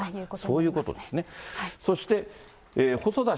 そういうことですね。